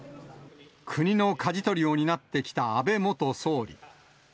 国のかじ取りを担ってきた安倍元総理。